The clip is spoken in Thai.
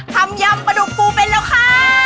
ทำยำปลาดุกปูเป็นแล้วค่ะ